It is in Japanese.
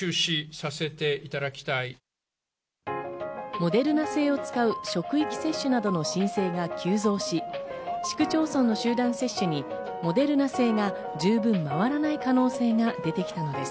モデルナ製を使う職域接種などの申請が急増し、市区町村の集団接種にモデルナ製が十分回らない可能性が出てきたのです。